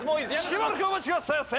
しばらくお待ちくださいませ！